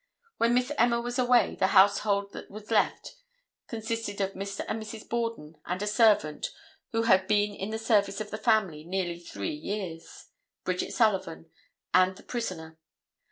When Miss Emma was away the household that was left consisted of Mr. and Mrs. Borden and a servant, who had been in the service of the family nearly three years, Bridget Sullivan, and the prisoner.